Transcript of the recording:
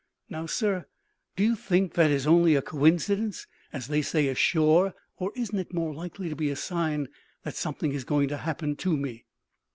Now, sir, do you think that is only a coincidence, as they say ashore; or isn't it more likely to be a sign that something is going to happen to me?"